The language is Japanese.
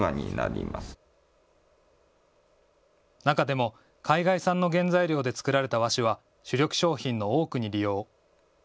中でも海外産の原材料で作られた和紙は主力商品の多くに利用。